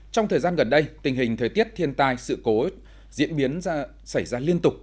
trong thời gian gần đây tình hình thời tiết thiên tai sự cố diễn biến xảy ra liên tục